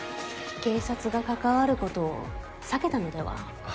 警察が関わることを避けたのでは？